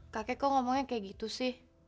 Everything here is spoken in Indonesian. kakek kok ngomongnya kayak gitu sih